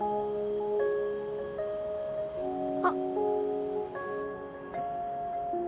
あっ。